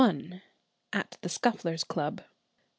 AT THE SCUFFLERS' CLUB.